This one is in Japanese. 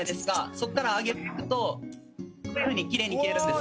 そこから上げていくとこういうふうにきれいに消えるんです。